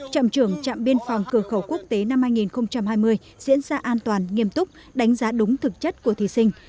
trạm trưởng trạm biên phòng cửa khẩu quốc tế năm hai nghìn hai mươi diễn ra an toàn nghiêm túc đánh giá đúng thực chất của thí sinh